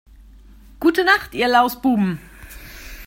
Gute Nacht ihr Lausbuben!